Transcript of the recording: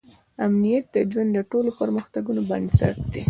امنیت د ژوند د ټولو پرمختګونو بنسټ دی.